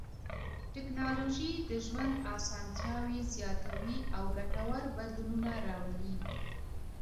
ټکنالوژي د ژوند اسانتیاوې زیاتوي او ګټور بدلونونه راولي.